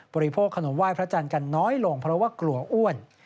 โภคขนมไห้พระจันทร์กันน้อยลงเพราะว่ากลัวอ้วน